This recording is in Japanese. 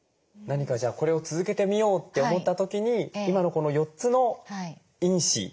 何かじゃあこれを続けてみようって思った時に今のこの４つの因子